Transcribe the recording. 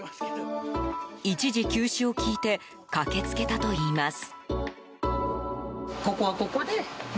一時休止を聞いて駆けつけたといいます。